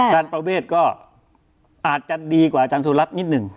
อาจารย์ประเบศก็อาจารย์ดีกว่าอาจารย์สุรัสตร์นิดหนึ่ง